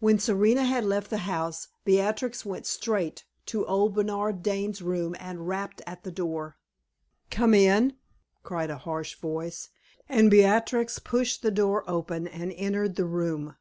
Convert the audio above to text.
When Serena had left the house, Beatrix went straight to old Bernard Dane's room and rapped at the door. "Come in!" cried a harsh voice; and Beatrix pushed the door open and entered the room.